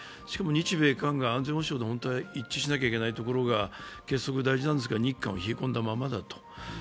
しかも日米韓が安全保障で一致しなければいけないところが、結束が大事なんですけれども、日韓が冷え込んだままだと。